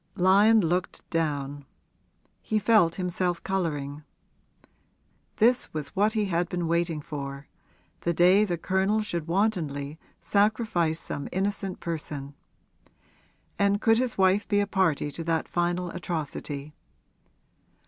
Lyon looked down; he felt himself colouring. This was what he had been waiting for the day the Colonel should wantonly sacrifice some innocent person. And could his wife be a party to that final atrocity?